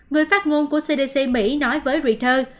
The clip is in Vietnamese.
người phát ngôn của cdc mỹ nói với reuters